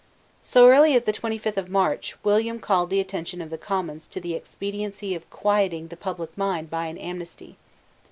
So early as the twenty fifth of March, William called the attention of the Commons to the expediency of quieting the public mind by an amnesty.